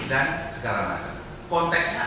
dan segala macam konteksnya